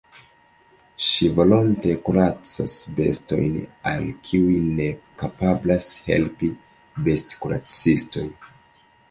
Ŝi volonte kuracas bestojn, al kiuj ne kapablas helpi bestkuracistoj.